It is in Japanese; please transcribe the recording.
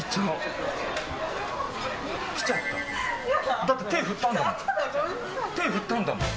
だって手振ったんだもん。